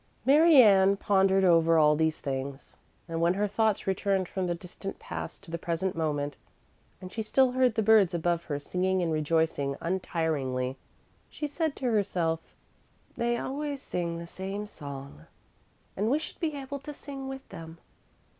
Mary Ann pondered over all these things, and when her thoughts returned from the distant past to the present moment, and she still heard the birds above her singing and rejoicing untiringly, she said to herself: "They always sing the same song and we should be able to sing with them.